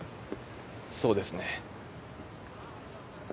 そうですね。